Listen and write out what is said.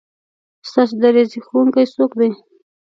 ستاسو د ریاضي ښؤونکی څوک دی؟